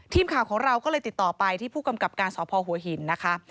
ทีมข่าวของเราก็เลยติดต่อไปที่ผู้กำกับการสพหัวหินนะคะ